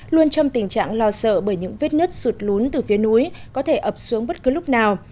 luôn trong tình trạng lo sợ bởi những vết nứt sụt lún từ phía núi có thể ập xuống bất cứ lúc nào